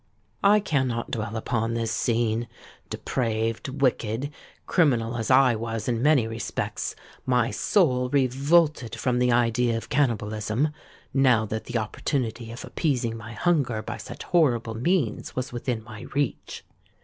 "I cannot dwell upon this scene: depraved—wicked—criminal as I was in many respects, my soul revolted from the idea of cannibalism, now that the opportunity of appeasing my hunger by such horrible means was within my reach.